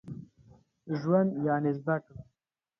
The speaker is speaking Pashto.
ژوند يعني زده کړه.